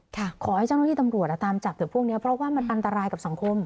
ขอให้เจ้าหน้าที่ตำรวจตามจับเดี๋ยวพวกนี้เพราะว่ามันอันตรายกับสังคม